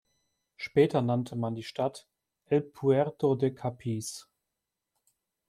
Später nannte man die Stadt "„El Puerto de Capiz“".